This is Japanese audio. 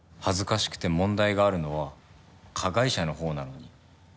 恥ずかしくて問題があるのは加害者の方なのに。